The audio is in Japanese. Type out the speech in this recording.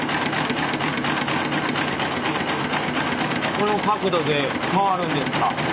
この角度で変わるんですか。